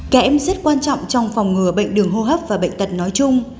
kẽm rất quan trọng trong phòng ngừa bệnh đường hô hấp và bệnh tật nói chung